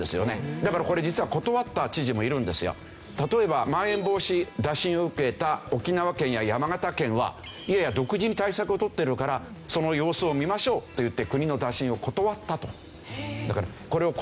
だからこれ実は例えばまん延防止打診を受けた沖縄県や山形県はいやいや独自に対策をとってるからその様子を見ましょうと言って国の打診を断ったと。